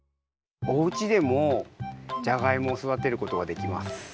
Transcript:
おうちでもじゃがいもをそだてることができます。